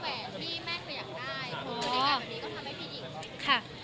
เพราะวิธีการแบบนี้ก็ทำให้มีหญิง